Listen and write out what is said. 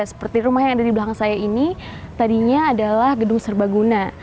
seperti rumah yang ada di belakang saya ini tadinya adalah gedung serbaguna